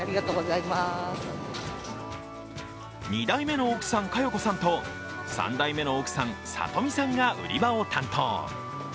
２代目の奥さん・佳容子さんと３代目の奥さん・里美さんが売り場を担当。